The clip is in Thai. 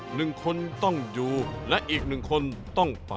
หนึ่งคนต้องอยู่และอีกหนึ่งคนต้องไป